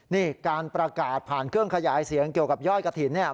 นี่การประกาศผ่านเครื่องขยายเสียงเกี่ยวกับยอดกระถิ่นเนี่ย